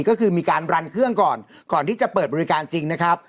ก็คือมีการรันเครื่องก่อนก่อนที่จะเปิดบริการจริงนะครับ